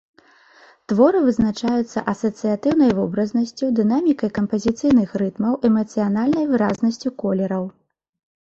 Творы вызначаюцца асацыятыўнай вобразнасцю, дынамікай кампазіцыйных рытмаў, эмацыянальнай выразнасцю колераў.